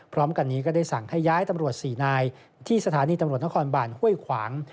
พร้อมกันนี้ก็ได้สั่งให้ย้ายตำรวจ๔นายที่สถานีตำรวจนครบานห้วยขวาง